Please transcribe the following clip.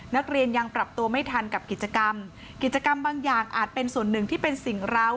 นักเรียนยังปรับตัวไม่ทันกับกิจกรรมกิจกรรมบางอย่างอาจเป็นส่วนหนึ่งที่เป็นสิ่งร้าว